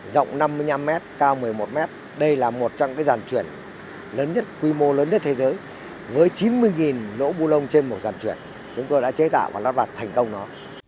rộng năm mươi năm m cao một mươi một m đây là một trong cái dàn chuyển lớn nhất quy mô lớn nhất thế giới với chín mươi lỗ bù lông trên một dàn chuyển chúng tôi đã chế tạo và lắp đặt thành công nó